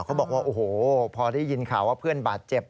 เขาบอกว่าโอ้โหพอได้ยินข่าวว่าเพื่อนบาดเจ็บ